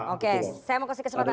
oke saya mau kasih kesempatan